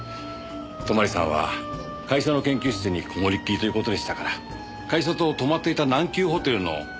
泊さんは会社の研究室にこもりっきりという事でしたから会社と泊まっていた南急ホテルの往復だけだったので。